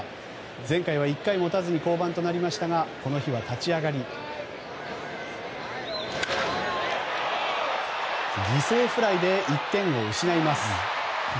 前回は１回持たずに降板となりましたがこの日は立ち上がり犠牲フライで１点を失います。